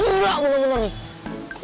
gila bukan bener nih